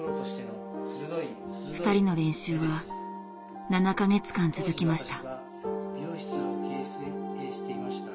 ２人の練習は７か月間続きました。